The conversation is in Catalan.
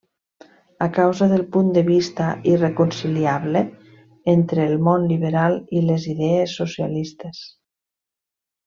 A causa del punt de vista irreconciliable entre el món liberal i les idees socialistes.